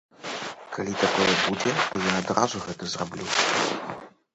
Калі такое будзе, то я адразу гэта зраблю.